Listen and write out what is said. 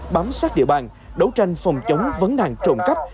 bám sát địa bàn đấu tranh phòng chống vấn nạn trộm cắp